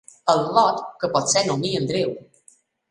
Al·lot que potser nomia Andreu.